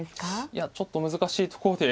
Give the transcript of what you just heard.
いやちょっと難しいところで。